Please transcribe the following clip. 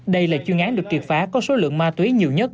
đây là chuyên án được triệt phá có số lượng ma túy nhiều nhất